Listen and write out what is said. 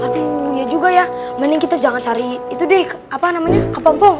aduh iya juga ya mending kita jangan cari itu deh apa namanya kepompong